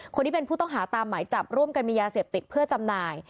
คนที่เป็นผู้ต้องหาตามหมายจับร่วมกันมียาเสพติดเพื่อจำหน่าย